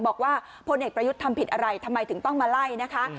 พลเอกประยุทธ์ทำผิดอะไรทำไมถึงต้องมาไล่นะคะ